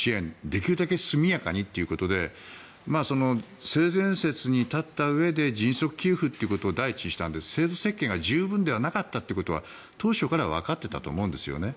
できるだけ速やかにということで性善説に立ったうえで迅速給付ということを第一にしたので、制度設計が十分ではなかったということは当初からわかっていたと思うんですよね。